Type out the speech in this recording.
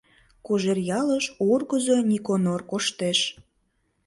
Кожеръялыш ургызо Никонор коштеш.